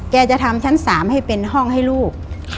จะทำชั้น๓ให้เป็นห้องให้ลูก